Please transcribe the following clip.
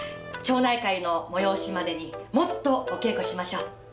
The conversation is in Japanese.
町内会の催しまでにもっとお稽古しましょう。